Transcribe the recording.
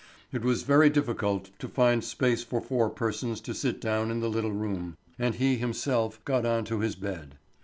It was very difficult to find space for four persons to sit down in the little room, and he himself got on to his bed.